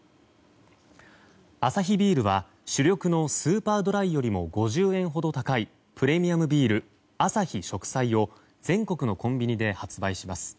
アサヒビールは主力のスーパードライよりも５０円ほど高いプレミアムビールアサヒ食彩を全国のコンビニで発売します。